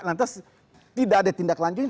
lantas tidak ada tindak lanjutnya